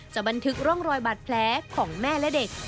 บันทึกร่องรอยบาดแผลของแม่และเด็ก